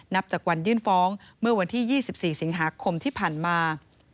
นับจากวันยื่นฟ้องเมื่อวันที่๒๔สิงหาคมที่ผ่านมา